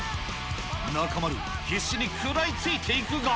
中丸、必死に食らいついていくが。